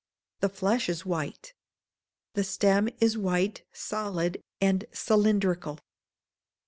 The flesh is white. The stem is white, solid, and cylindrical.